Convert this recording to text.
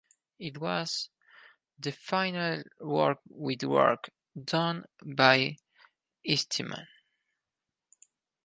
It was the final work with work done by Eastman.